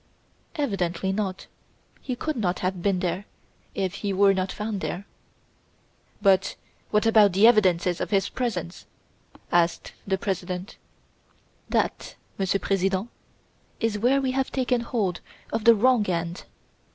"Evidently, not. He could not have been there, if he were not found there." "But, what about the evidences of his presence?" asked the President. "That, Monsieur President, is where we have taken hold of the wrong end.